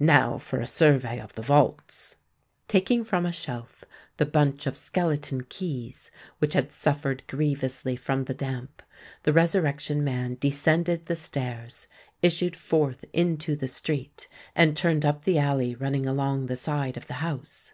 "Now for a survey of the vaults." Taking from a shelf the bunch of skeleton keys, which had suffered grievously from the damp, the Resurrection Man descended the stairs, issued forth into the street, and turned up the alley running along the side of the house.